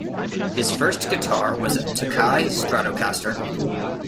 His first guitar was a "Tokai Stratocaster".